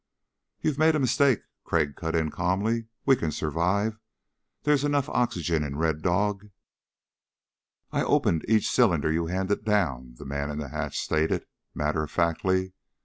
"You've made a mistake," Crag cut in calmly. "We can survive. There's enough oxygen in Red Dog." "I opened each cylinder you handed down," the man in the hatch stated matter of factly.